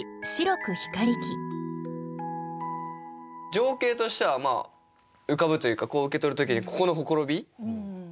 情景としてはまあ浮かぶというかこう受け取る時にここの綻びが白く光る。